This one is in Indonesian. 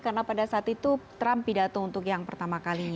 karena pada saat itu trump pidato untuk yang pertama kalinya